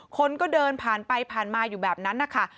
คนก็เดินผ่านไปผ่านมาอยู่แบบนั้นนะคะ